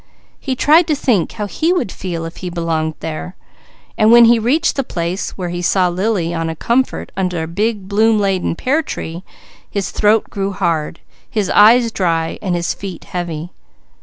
He tried to think how he would feel if he belonged there. When he reached the place where he saw Lily on a comfort under a big bloom laden pear tree, his throat grew hard, his eyes dry and his feet heavy.